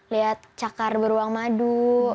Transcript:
lihat cakar beruang madu